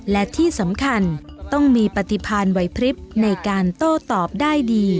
และที่สำคัญต้องมีปฏิพันธ์ไว้พริบในการโต้ตอบได้ดี